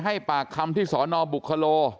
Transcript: ให้ปากคำที่สนบุคโล